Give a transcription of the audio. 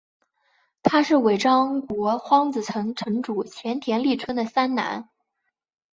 他是尾张国荒子城城主前田利春的三男。